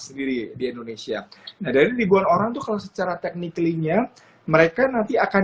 sendiri di indonesia nah dari ribuan orang itu kalau secara tekniknya mereka nanti akan